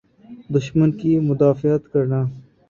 دشمن کی مدافعت کرنا۔